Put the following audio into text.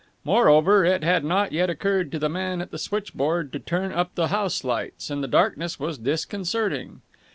Moreover, it had not yet occurred to the man at the switchboard to turn up the house lights, and the darkness was disconcerting.